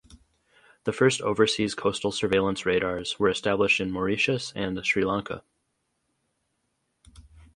The first overseas coastal surveillance radars were established in Mauritius and Sri Lanka.